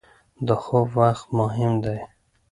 • د خوب وخت مهم دی.